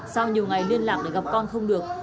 sau nhiều ngày liên lạc để gặp con không được